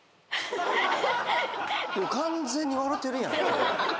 完全に笑うてるやんって。